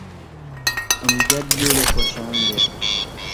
امجد بِیڈو خوشان دےۡ۔